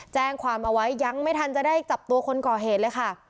แจ้งความเอาไว้ยังไม่ทันจะได้จับตัวคนก่อเหตุเลยค่ะ